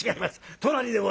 隣でございます。